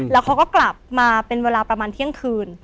แล้วเขาก็กลับมาเป็นเวลาประมาณเที่ยงคืน